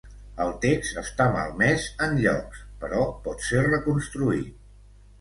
El text està malmès en llocs però pot ser reconstruït.